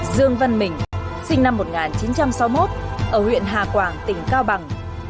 dương văn mình sinh năm một nghìn chín trăm sáu mươi một ở huyện hà quảng tỉnh cao bằng